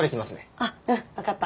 あっうん分かった。